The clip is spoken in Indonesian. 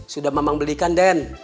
sudah mamang belikan den